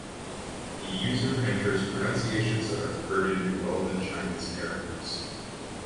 The user enters pronunciations that are converted into relevant Chinese characters.